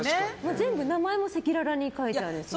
全部名前も赤裸々に書いているんですよね。